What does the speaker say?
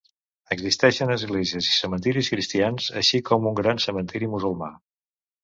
Existeixen esglésies i cementiris cristians, així com un gran cementiri musulmà.